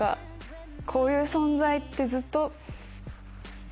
こういう存在ってずっと。